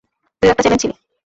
তুইও একটা চ্যালেঞ্জ ছিলি।